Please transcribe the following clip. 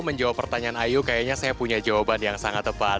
menjawab pertanyaan ayu kayaknya saya punya jawaban yang sangat tepat